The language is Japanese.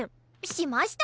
しました！